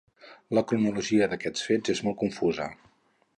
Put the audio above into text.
La cronologia d'aquests fets és molt confusa.